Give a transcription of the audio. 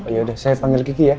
yaudah saya panggil kiki ya